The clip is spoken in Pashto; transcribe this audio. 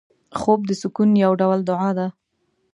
خوب د سکون یو ډول دعا ده